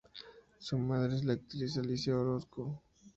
Su madre es la actriz Alicia Orozco.